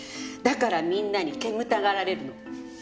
だからみんなに煙たがられるの。